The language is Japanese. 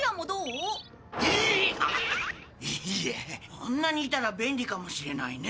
あんなにいたら便利かもしれないね。